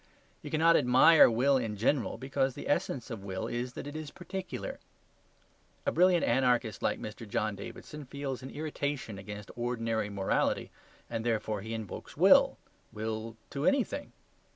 You cannot admire will in general, because the essence of will is that it is particular. A brilliant anarchist like Mr. John Davidson feels an irritation against ordinary morality, and therefore he invokes will will to anything.